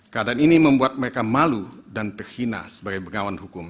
keadaan ini membuat mereka malu dan terhina sebagai bengawan hukum